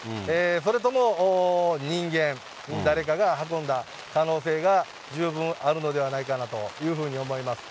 それとも人間、誰かが運んだ可能性が十分あるのではないかなというふうに思います。